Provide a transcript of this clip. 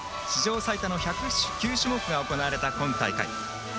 史上最多の１０９種目が行われた今大会。